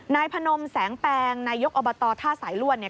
พนมแสงแปลงนายกอบตท่าสายล่วนเนี่ย